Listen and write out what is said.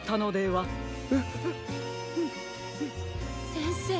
せんせい。